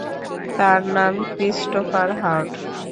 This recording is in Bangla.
তার নাম ক্রিস্টোফার হার্ট।